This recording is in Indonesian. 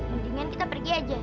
mendingan kita pergi aja